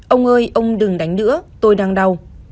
ông ơi ông đừng đánh nữa tôi đang đau